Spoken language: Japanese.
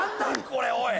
これおい。